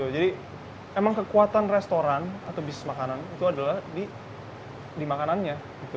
jadi emang kekuatan restoran atau bisnis makanan itu adalah di makanannya